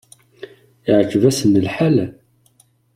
Iɛǧeb-asen lḥal?